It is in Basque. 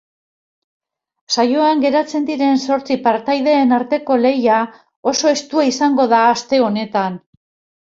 Saioan geratzen diren zortzi partaideen arteko lehia oso estua izango da aste honetan.